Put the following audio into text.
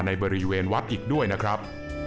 ในบริเวณวัดอีกด้วยนะครับ